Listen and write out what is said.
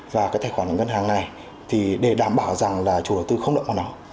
và cái tài khoản ngân hàng này thì để đảm bảo rằng là chủ đầu tư không động vào nó